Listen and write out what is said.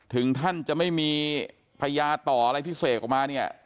ถึงท่านจะไม่มีพญาต่ออะไรพิเศษออกมาเนี่ย